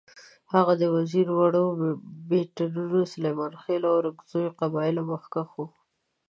هغه د وزیرو، وړو بېټنیو، سلیمانخېلو او اورکزو قبایلو مخکښ وو.